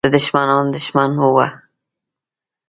د دښمنانو دښمن وو.